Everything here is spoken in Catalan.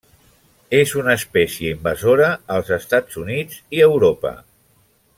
És una espècie invasora als Estats Units i Europa.